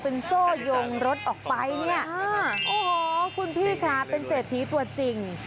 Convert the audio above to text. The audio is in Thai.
เป็นโซ่ยงรถออกไปเนี่ยโอ้โหคุณพี่ค่ะเป็นเศรษฐีตัวจริง